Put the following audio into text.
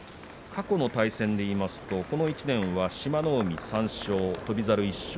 過去の対戦で言いますとこの１年が志摩ノ海３勝翔猿１勝。